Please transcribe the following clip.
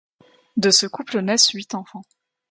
De ce couple naissent huit enfants.